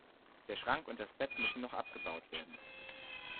Der Schrank und das Bett müssen noch abgebaut werden.